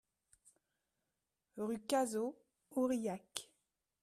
Rue Cazaud, Aurillac